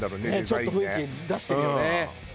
ちょっと雰囲気出してるよね。